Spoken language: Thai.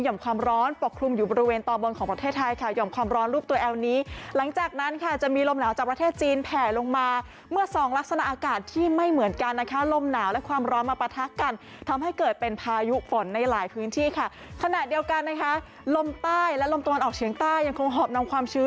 ความร้อนปกคลุมอยู่บริเวณตอนบนของประเทศไทยค่ะห่อมความร้อนลูกตัวแอลนี้หลังจากนั้นค่ะจะมีลมหนาวจากประเทศจีนแผลลงมาเมื่อสองลักษณะอากาศที่ไม่เหมือนกันนะคะลมหนาวและความร้อนมาปะทะกันทำให้เกิดเป็นพายุฝนในหลายพื้นที่ค่ะขณะเดียวกันนะคะลมใต้และลมตะวันออกเฉียงใต้ยังคงหอบนำความชื้น